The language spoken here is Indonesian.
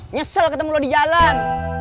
nyesel ketemu lo di jalan